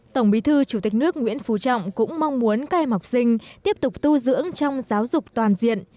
tổng bí thư chủ tịch nước nguyễn phú trọng cũng mong muốn các em học sinh tiếp tục tu dưỡng trong giáo dục toàn diện